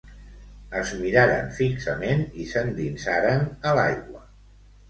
Es miraren fixament i s'endinsaren a l'aigua